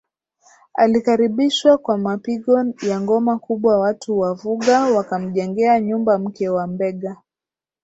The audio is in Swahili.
alikaribishwa kwa mapigo ya ngoma kubwa Watu wa Vuga wakamjengea nyumbaMke wa Mbegha